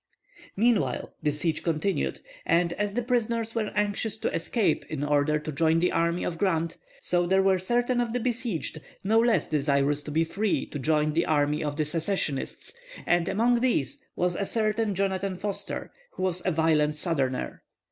Meanwhile, the siege continued, and as the prisoners were anxious to escape in order to join the army of Grant, so there were certain of the besieged no less desirous to be free to join the army of the Secessionists; and among these was a certain Jonathan Forster, who was a violent Southerner.